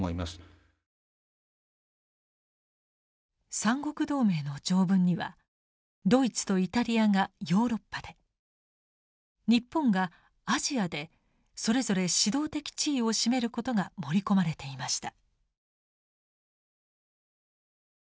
三国同盟の条文にはドイツとイタリアがヨーロッパで日本がアジアでそれぞれ指導的地位を占めることが盛り込まれていました。